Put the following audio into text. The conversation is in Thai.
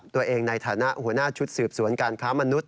ในฐานะหัวหน้าชุดสืบสวนการค้ามนุษย